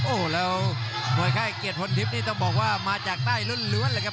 โอ้โหแล้วมวยค่ายเกียรติพลทิพย์นี่ต้องบอกว่ามาจากใต้ล้วนเลยครับ